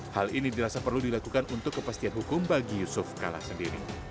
hal ini dirasa perlu dilakukan untuk kepastian hukum bagi yusuf kala sendiri